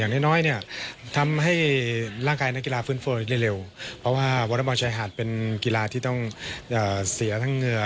ได้เร็วเพราะว่าวนบรรชายหาดเป็นกีฬาที่ต้องเสียทั้งเหนือ